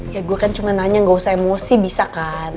ya gue kan cuma nanya nggak usah emosi bisa kan